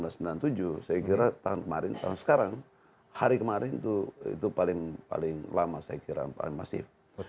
saya kira tahun kemarin tahun sekarang hari kemarin itu paling lama saya kira paling masif